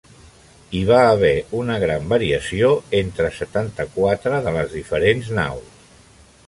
Hi va haver una gran variació entre setanta-quatre de les diferents naus.